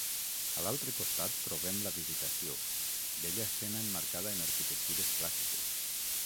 A l'altre costat trobem la Visitació, bella escena emmarcada en arquitectures clàssiques.